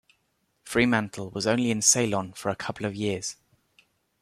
Fremantle was only in Ceylon for a couple of years.